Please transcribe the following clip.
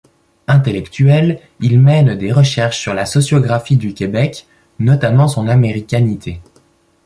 Intellectuel, il mène des recherches sur la sociographie du Québec, notamment son américanité.